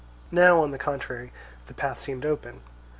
Now, on the contrary, the path seemed open.